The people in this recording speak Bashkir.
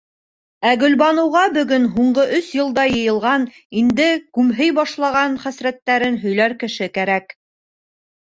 Ә Гөлбаныуға бөгөн һуңғы өс йылда йыйылған, инде күмһей башлаған хәсрәттәрен һөйләр кеше кәрәк.